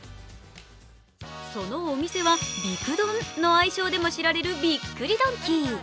そのお店はびくドンの愛称でも知られるびっくりドンキー。